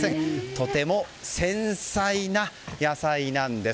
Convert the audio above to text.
とても繊細な野菜なんです。